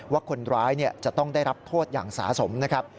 ว่าคนร้ายจะต้องได้รับโทษอย่างสะสมนะครับ